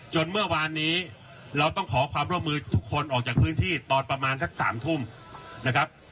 เมื่อวานนี้เราต้องขอความร่วมมือทุกคนออกจากพื้นที่ตอนประมาณสัก๓ทุ่มนะครับ